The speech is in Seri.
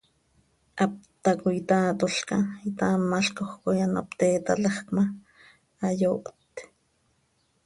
Hap tacoi taatolca, itaamalcoj coi ano pte itaalajc ma, hayooht.